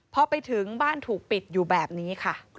พอไปถึงบ้านถูกปิดอยู่แบบนี้ค่ะ